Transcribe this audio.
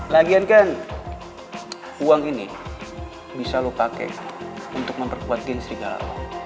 lagian kan uang ini bisa lo pakai untuk memperkuat gains segala